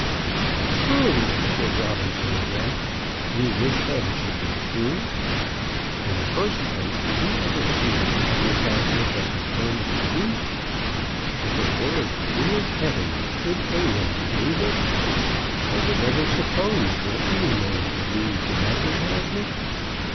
"True!" said Robinson, again. "You wish that it should be true! In the first place, did you ever see an advertisement that contained the truth? If it were as true as heaven, would any one believe it? Was it ever supposed that any man believed an advertisement?